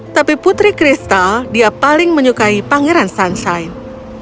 tapi putri kristal dia paling menyukai pangeran sunshine